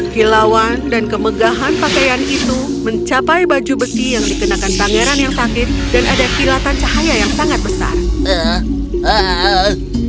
hilauan dan kemegahan pakaian itu mencapai baju besi yang dikenakan pangeran yang sakit dan ada kilatan cahaya yang sangat besar